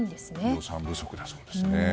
予算不足だそうですね。